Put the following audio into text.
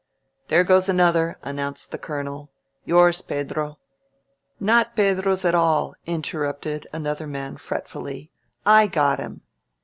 There goes another," announced the Colonel. "Yours, Pedro." "Not Pedro's at all," interrupted another man fret fully. "I got him."